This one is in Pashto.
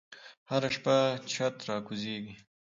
هره شپه چت راکوزیږې